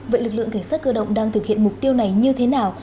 vậy lực lượng cảnh sát cơ động đang thực hiện mục tiêu này như thế nào